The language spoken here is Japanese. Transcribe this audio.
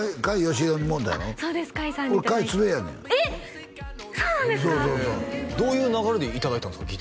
そうそうそうどういう流れでいただいたんですか？